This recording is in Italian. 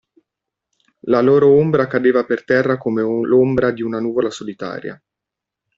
La loro ombra cadeva per terra come l'ombra di una nuvola solitaria.